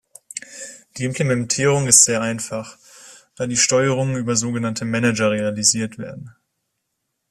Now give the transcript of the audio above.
Die Implementierung ist sehr einfach, da die Steuerungen über sogenannte Manager realisiert wird.